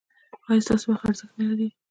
ایا ستاسو وخت ارزښت نلري؟